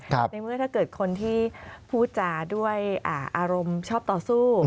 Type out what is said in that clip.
ในเมื่อถ้าเกิดคนที่พูดจาด้วยอารมณ์ชอบต่อสู้